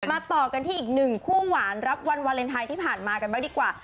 ต่อกันที่อีกหนึ่งคู่หวานรับวันวาเลนไทยที่ผ่านมากันบ้างดีกว่า